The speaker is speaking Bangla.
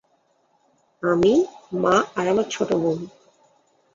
আমি, মা আর আমার ছোট বোন।